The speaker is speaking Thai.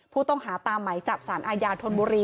ผู้ต้องหาตามไหมจับสารอาญาธนบุรี